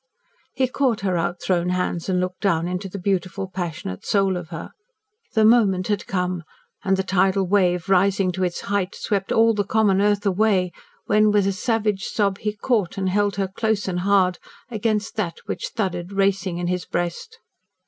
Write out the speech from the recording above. He caught her out thrown hands and looked down into the beautiful passionate soul of her. The moment had come, and the tidal wave rising to its height swept all the common earth away when, with a savage sob, he caught and held her close and hard against that which thudded racing in his breast.